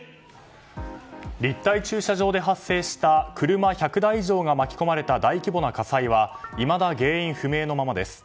立体駐車場で発生した車１００台以上が巻き込まれた大規模な火災はいまだ原因不明のままです。